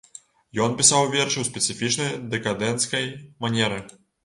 Ён пісаў вершы ў спецыфічнай дэкадэнцкай манеры.